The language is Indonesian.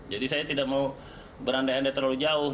jadi saya tidak mau berandai andai terlalu jauh